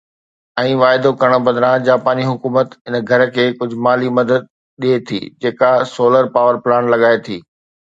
۽ واعدو ڪرڻ بدران، جاپاني حڪومت ان گهر کي ڪجهه مالي مدد ڏئي ٿي جيڪا سولر پاور پلانٽ لڳائي ٿي.